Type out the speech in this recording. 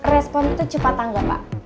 respon itu cepat tanggap pak